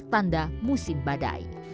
tanda musim badai